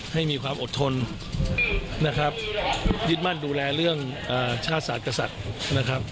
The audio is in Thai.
ให้มีความอดทนนะครับยึดมั่นดูแลเรื่องชาติศาสตร์กษัตริย์นะครับ